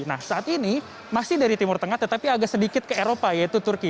nah saat ini masih dari timur tengah tetapi agak sedikit ke eropa yaitu turki